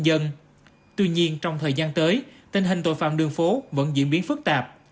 dân tuy nhiên trong thời gian tới tình hình tội phạm đường phố vẫn diễn biến phức tạp